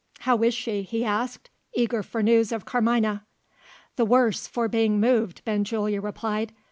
"How is she?" he asked, eager for news of Carmina. "The worse for being moved," Benjulia replied.